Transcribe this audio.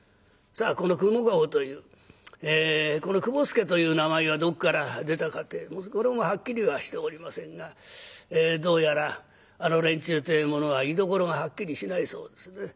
さあこのくも駕籠というこの雲助という名前はどっから出たかってこれもはっきりはしておりませんがどうやらあの連中というものは居所がはっきりしないそうですね。